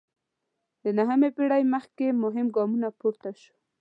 د نهمې پېړۍ مخکې مهم ګام پورته شو.